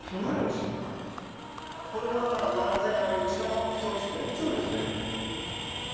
これも何千あるうちの１つということですか。